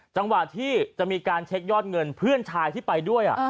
จังหวะที่จะมีการเช็คยอดเงินเพื่อนชายที่ไปด้วย